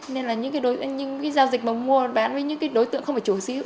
nên là những giao dịch mua bán với những đối tượng không phải chủ sở hữu